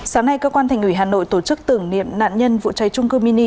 sáng nay cơ quan thành ủy hà nội tổ chức tưởng niệm nạn nhân vụ cháy trung cư mini